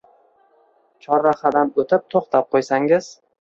– Chorrahadan o’tib to’xtab qo’ysangiz.